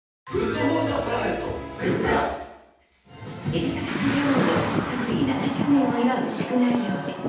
エリザベス女王の即位７０年を祝う式典行事。